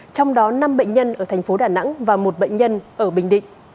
trong đó năm bệnh nhân ở thành phố đà nẵng và một bệnh nhân ở bình định